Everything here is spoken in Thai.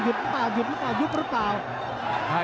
หรือเปล่าหยุดหรือเปล่ายุบหรือเปล่า